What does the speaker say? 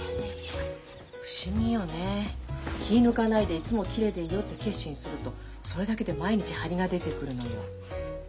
不思議よね気ぃ抜かないでいつもきれいでいようって決心するとそれだけで毎日張りが出てくるのよ。